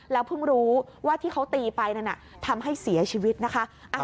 แล้วพึ่งรู้ว่าที่เขาตีไปทำให้เสียชีวิตนะคะ